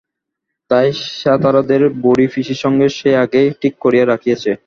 তাই সাতরাদের বুড়ি পিসির সঙ্গে সে আগেই ঠিক করিয়া রাখিয়াছে।